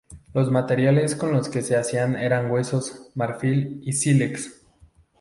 Los materiales con los que se hacían eran huesos, marfil y sílex.